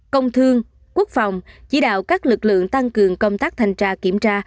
công thương quốc phòng chỉ đạo các lực lượng tăng cường công tác thanh tra kiểm tra